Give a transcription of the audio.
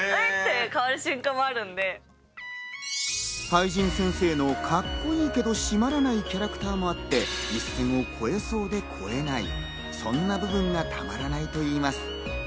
灰仁先生のカッコいいけど締まらないキャラクターもあって、一線を越えそうで越えない、そんな部分がたまらないといいます。